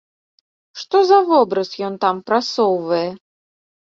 Што за вобраз ён там прасоўвае?